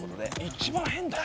一番変だよ。